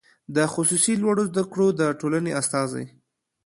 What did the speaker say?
د خصوصي لوړو زده کړو د ټولنې استازی